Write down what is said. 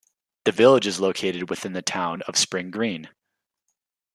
The village is located within the Town of Spring Green.